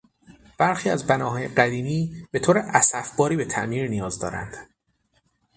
برخی از بناهای قدیمی به طور اسفباری به تعمیر نیاز دارند.